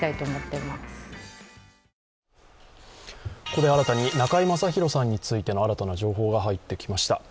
ここで中居正広さんについての新たな情報が入ってきました。